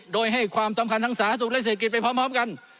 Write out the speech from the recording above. โดยให้ความสำคัญทั้งสาธารณสุขและเศรษฐกิจไปพร้อมกัน